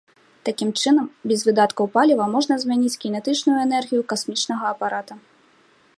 Такім чынам, без выдаткаў паліва можна змяніць кінетычную энергію касмічнага апарата.